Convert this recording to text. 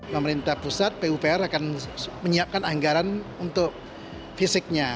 pemerintah pusat pupr akan menyiapkan anggaran untuk fisiknya